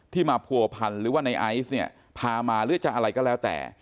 มาผัวพันธ์หรือว่าในไอซ์เนี่ยพามาหรือจะอะไรก็แล้วแต่